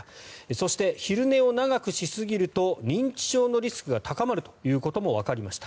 そして、昼寝を長くしすぎると認知症のリスクが高まることもわかりました。